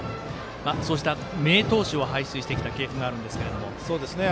そうした名投手を輩出してきた系譜があるんですけど。